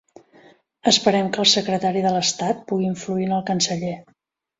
Esperem que el secretari de l'estat pugui influir en el canceller.